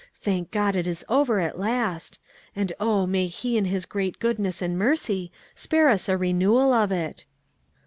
Thank God, it is over at last; and oh, may He, in His great goodness and mercy, spare us a renewal, of it."